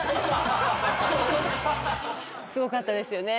すごかったですよね。